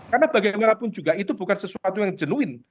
karena bagaimanapun juga itu bukan sesuatu yang jenuin